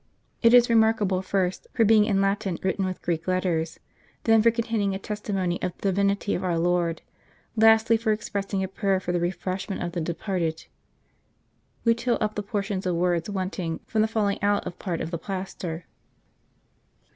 It is remarkable, first, for being in Latin written with Greek letters; then, for containing a testimony of the Divinity of our Lord ; lastly, for expressing a prayer for the refreshment of the departed. We till up the portions of words wanting, from the falling out of part of the plaster.